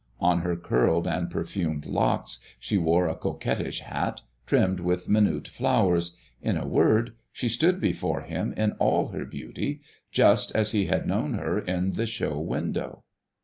On her curled and perfumed locks she wore a coquettish hat trimmed with minute flowers, in a word, she stood before him in all her beauty just as he had known her in the show window.